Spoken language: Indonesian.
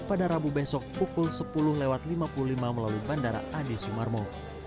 pada rabu besok pukul sepuluh lewat lima puluh lima melalui bandara adi sumarmo